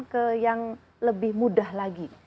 ke yang lebih mudah lagi